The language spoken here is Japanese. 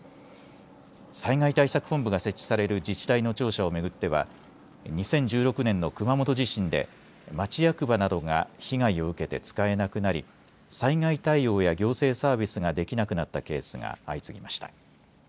災害対策本部が設置される自治体の庁舎をめぐっては２０１６年の熊本地震で町役場などが被害を受けて使えなくなり災害対応や行政サービスができなくなったケースが相次ぎました。